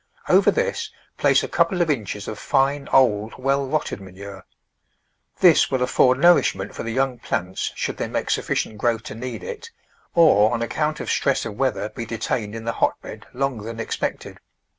Over this place a couple of inches of fine, old, well rotted ma nure. This will afford nourishment for the young plants should they make sufficient growth to need it, or on account of stress of weather be detained in the hotbed longer than expected.